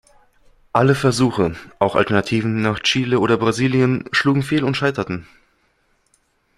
Alle Versuche, auch Alternativen nach Chile oder Brasilien, schlugen fehl und scheiterten.